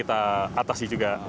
kita bisa mengatasi juga